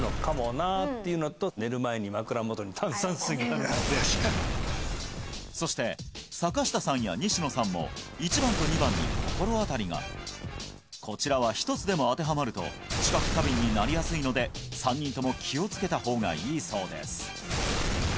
はいあるあるはいそして坂下さんや西野さんも１番と２番に心当たりがこちらは１つでも当てはまると知覚過敏になりやすいので３人とも気をつけた方がいいそうです